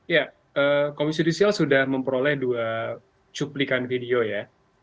ya komisi judisial sudah memperoleh dua cuplikan video ya